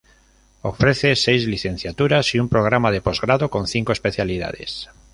Ofrece seis licenciaturas y un programa de posgrado con cinco especialidades.